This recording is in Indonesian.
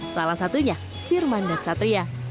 salah satunya firman dan satria